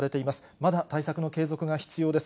まだ対策の継続が必要です。